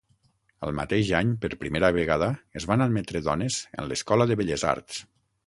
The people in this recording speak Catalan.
El mateix any, per primera vegada es van admetre dones en l'Escola de Belles Arts.